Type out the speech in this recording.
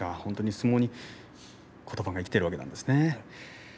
相撲にことばが生きているわけですね。